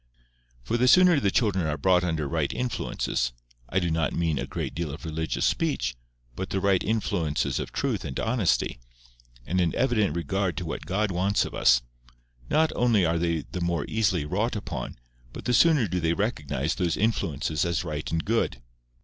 For the sooner the children are brought under right influences—I do not mean a great deal of religious speech, but the right influences of truth and honesty, and an evident regard to what God wants of us—not only are they the more easily wrought upon, but the sooner do they recognize those influences as right and good.